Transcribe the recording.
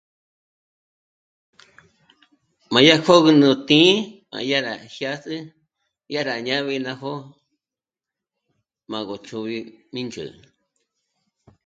M'a yá kögü nó tǐ'i m'a dyà rá jiâs'ü dyà rá jñàbi yó jó'o m'á gó chù'u gí ndzhǜrü